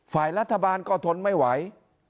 ฝ่ายรัฐบาลก็ทนไม่ไหว